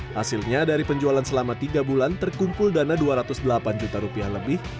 hasilnya dari penjualan selama tiga bulan terkumpul dana dua ratus delapan juta rupiah lebih